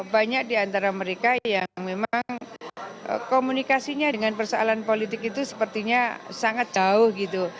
banyak di antara mereka yang memang komunikasinya dengan persoalan politik itu sepertinya sangat jauh gitu